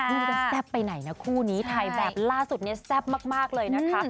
ลูกจะแซ่บไปไหนนะคู่นี้ถ่ายแบบล่าสุดเนี่ยแซ่บมากเลยนะคะ